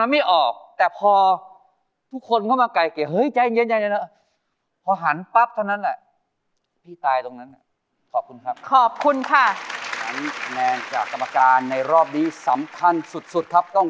แมงท์จากลำการในรอบนี้สำคัญสุดสุดครับ